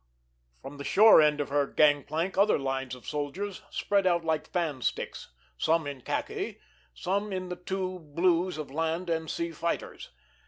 From the shore end of her gang plank other lines of soldiers spread out like fan sticks, some in khaki, some in the two blues of land and sea fighters.